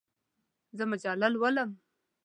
زه مجله لولم.